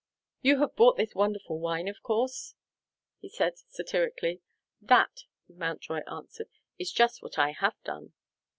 "You have bought this wonderful wine, of course?" he said satirically. "That," Mountjoy answered, "is just what I have done."